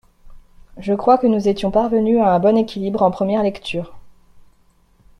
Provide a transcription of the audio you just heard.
Je crois que nous étions parvenus à un bon équilibre en première lecture.